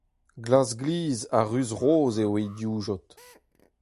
Glas-glizh ha ruz-roz eo he divjod.